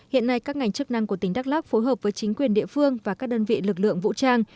hiện nay các ngành chức năng của tỉnh đắk lắc phối hợp với chính quyền địa phương và các đơn vị lực lượng vũ trang